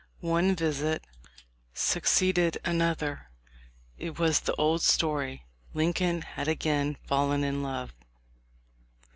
One visit suc ceeded another. It was the old story. Lincoln had again fallen in love.